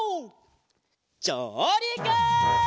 じょうりく！